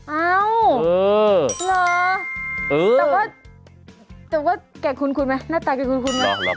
เอ้าเหรอแต่ว่าแก่คุ้นไหมหน้าตาคือคุ้นไหม